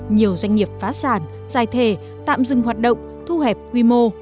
nhiều doanh nghiệp phá sản giải thề tạm dừng hoạt động thu hẹp quy mô